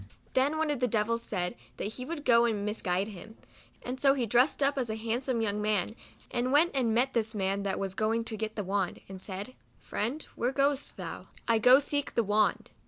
Then one of the devils said that he would go and misguide him ; and so he dressed up as a handsome young man, and went and met this man that was going to get the wand, and said, " Friend, where goest thou I" "I go to seek the wand."